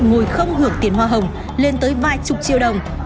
ngồi không hưởng tiền hoa hồng lên tới vài chục triệu đồng